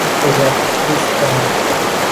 Kazakhstan